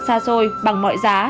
xa xôi bằng mọi giá